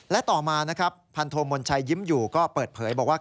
และต่อมาพันธมมนต์ชัยยิ้มอยู่ก็เปิดเผยบอกว่า